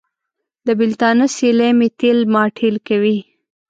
د بېلتانه سیلۍ مې تېل ماټېل کوي.